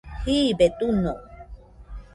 jibe duño